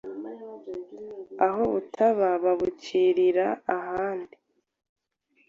aho butaba babucirira ahandi